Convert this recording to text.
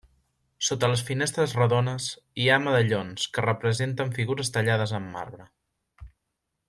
Sota les finestres redones, hi ha medallons que representen figures tallades en marbre.